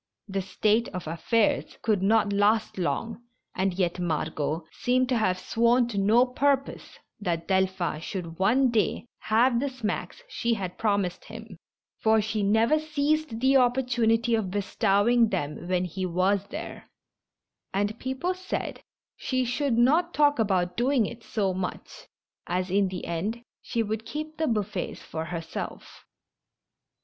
This state of affairs could not last long, and yet Margot seemed to have sworn to no purpose that Delphin should one day have the smacks she had promised him, for she never seized the oppor tunity of bestowing them when he was there; and peo ple said she should not talk about doing it so much, as in the end she would keep the buffets for herself.